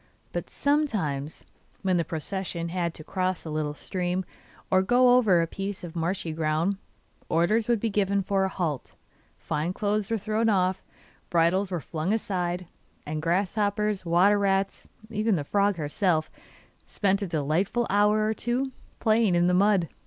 But sometimes, when the procession had to cross a little stream, or go over a piece of marshy ground, orders would be given for a halt; fine clothes were thrown off, bridles were flung aside, and grasshoppers, water rats, even the frog herself, spent a delightful hour or two playing in the mud.